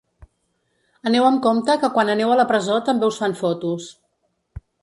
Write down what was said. Aneu amb compte que quan aneu a la presó també us fan fotos.